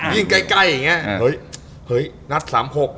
ยิ่งใกล้อย่างนี้